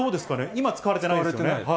今、使われてないですよね。